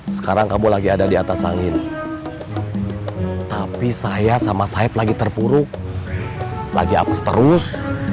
sekarang kamu lagi ada di atas angin tapi saya sama said lagi terpuruk lagi apes terus